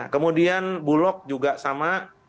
kemudian bulog juga sama